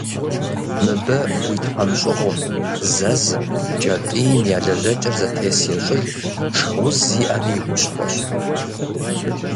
Мыбы уи тхьэмщӏыгъум, зэзым, кӏэтӏийм я лэжьэкӏэр зэтес ещӏыж, шхыуз зиӏэми и хущхъуэщ.